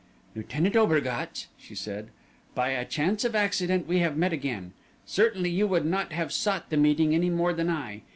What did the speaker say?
"Lieutenant Obergatz," she said, "by a chance of accident we have met again. Certainly you would not have sought the meeting any more than I.